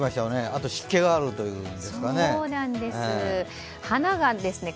あと湿気があるというんですかね。